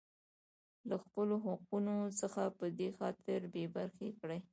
لـه خـپـلو حـقـونـو څـخـه پـه دې خاطـر بـې بـرخـې کـړي.